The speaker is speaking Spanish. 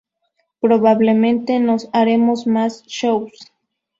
Probablemente nos haremos más shows.